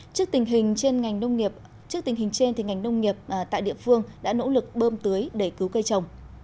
trước tình hình trên ngành nông nghiệp tại địa phương đã nỗ lực bơm tưới để cứu cây trồng